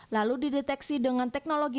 lalu dideteksi dengan teknologi